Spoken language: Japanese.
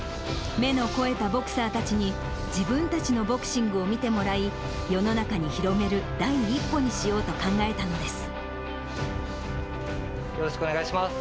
目の肥えたボクサーたちに、自分たちのボクシングを見てもらい、世の中に広める第一歩にしよよろしくお願いします。